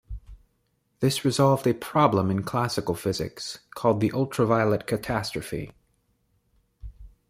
This resolved a problem in classical physics, called the ultraviolet catastrophe.